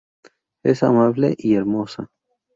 Es amable y hermosa.